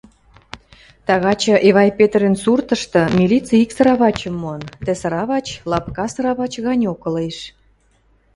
Тагачы Эвай Петрӹн суртышты милици ик сыравачым мон; тӹ сыравач лапка сыравач ганьок ылеш.